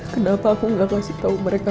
kenapa aku nggak kasih tau mereka